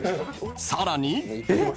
［さらに］